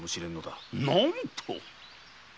何と！？